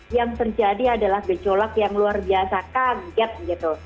yang terjadi adalah gejolak yang luar biasa kaget gitu